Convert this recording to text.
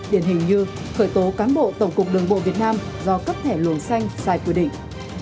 điển hình như khởi tố cán bộ tổng cục đường bộ việt nam do cấp thẻ luồng xanh sai quy định